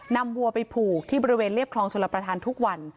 วัวไปผูกที่บริเวณเรียบคลองชลประธานทุกวัน